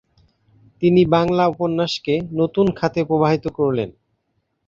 তিনি বাংলা উপন্যাসকে নতুন খাতে প্রবাহিত করলেন।